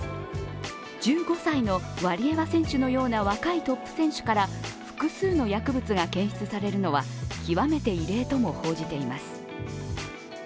１５歳のワリエワ選手のような若いトップ選手から複数の薬物が検出されるのは極めて異例とも報じています。